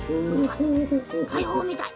たいほうみたい。